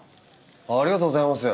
ありがとうございます。